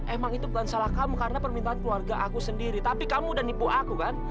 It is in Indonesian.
emang itu bukan salah kamu karena permintaan keluarga aku sendiri tapi kamu dan ibu aku kan